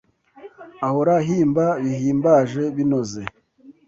Ahora ahimba bihimbaje binoze